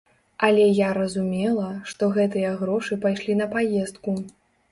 Але я разумела, што гэтыя грошы пайшлі на паездку.